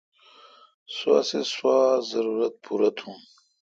سو اسی سوا زارورت پورہ تھو۔